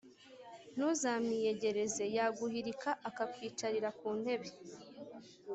Ntuzamwiyegereze, yaguhirika akakwicarira ku ntebe